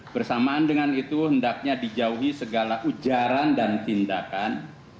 bersamaan dengan itu hendaknya dijauhi segala ujaran dan tindakan